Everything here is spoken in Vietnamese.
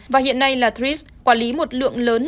và hiện nay là tis quản lý một lượng lớn